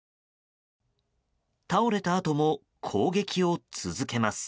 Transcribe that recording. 倒れたあとも攻撃を続けます。